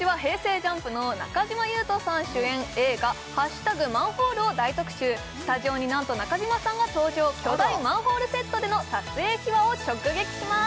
ＪＵＭＰの中島裕翔さん主演映画「＃マンホール」を大特集スタジオになんと中島さんが登場巨大マンホールセットでの撮影秘話を直撃します